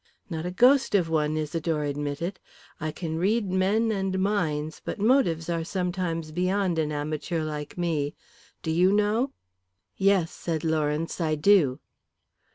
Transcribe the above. "Not the ghost of one," Isidore admitted. "I can read men and minds, but motives are sometimes beyond an amateur like me. Do you know?" "Yes," said Lawrence, "I do."